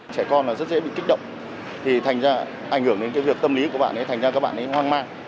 trẻ con rất dễ bị kích động thì thành ra ảnh hưởng đến cái việc tâm lý của bạn ấy thành ra các bạn ấy hoang mang